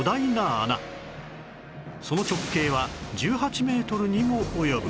その直径は１８メートルにも及ぶ